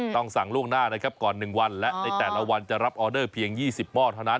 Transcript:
ต้องสั่งล่วงหน้านะครับก่อน๑วันและในแต่ละวันจะรับออเดอร์เพียง๒๐หม้อเท่านั้น